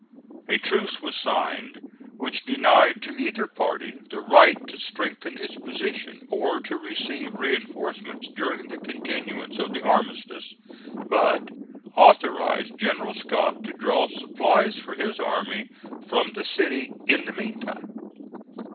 A truce was signed which denied to either party the right to strengthen its position, or to receive reinforcements during the continuance of the armistices, but authorized General Scott to draw supplies for his army from the city in the meantime.